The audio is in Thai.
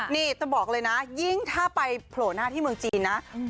นี่จะบอกเลยนะยิ่งถ้าไปโผล่หน้าที่เมืองจีนนะ